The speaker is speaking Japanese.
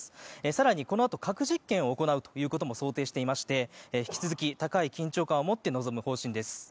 更にこのあと核実験を行うということも想定していまして引き続き高い緊張感を持って臨む方針です。